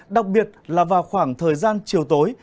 đặc biệt là vào khoảng thời gian chiều tối